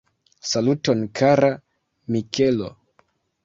Saluton kara Mikelo!